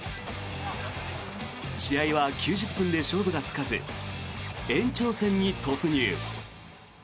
試合は９０分で勝負がつかず延長戦に突入。